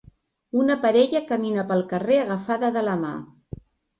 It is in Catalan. Una parella camina pel carrer agafada de la mà.